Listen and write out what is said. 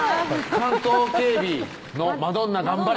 「関東警備のマドンナ頑張れ！」